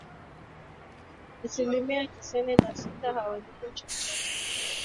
asilimia tisini na sita hawalipwi chochote